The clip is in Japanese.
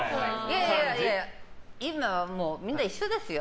いやいや、今はみんな一緒ですよ。